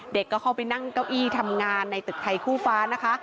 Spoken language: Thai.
เด็กก็เข้าไปนั่งเก้าอี้ทำงานในตึกไทยคู่ฟ้านะคะ